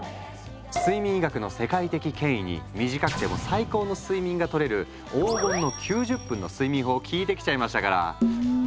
睡眠医学の世界的権威に短くても最高の睡眠がとれる「黄金の９０分」の睡眠法を聞いてきちゃいましたから。